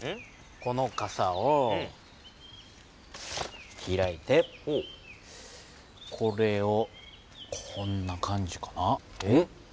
このカサを開いてこれをこんな感じかな。